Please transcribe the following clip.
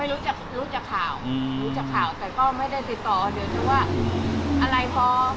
รู้จักรู้จากข่าวรู้จักข่าวแต่ก็ไม่ได้ติดต่อเดี๋ยวจะว่าอะไรพอ